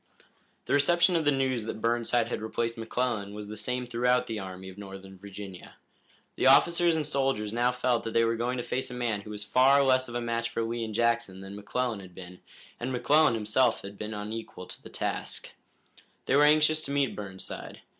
The reception of the news that Burnside had replaced McClellan was the same throughout the Army of Northern Virginia. The officers and soldiers now felt that they were going to face a man who was far less of a match for Lee and Jackson than McClellan had been, and McClellan himself had been unequal to the task. They were anxious to meet Burnside.